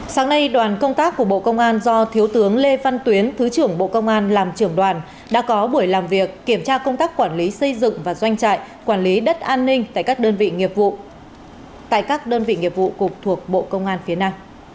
sáng nay đoàn công tác của bộ công an do thiếu tướng lê văn tuyến thứ trưởng bộ công an làm trưởng đoàn đã có buổi làm việc kiểm tra công tác quản lý xây dựng và doanh trại quản lý đất an ninh tại các đơn vị nghiệp vụ cục thuộc bộ công an phía nam